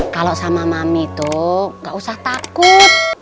kalau sama mami itu gak usah takut